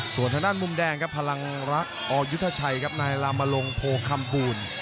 ส่วนทางด้านมุมแดงครับพลังรักอยุทธชัยครับนายลามลงโพคำบูล